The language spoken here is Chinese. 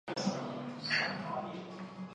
马卡罗尼企鹅的蛋质地粗糙并带有浅蓝色。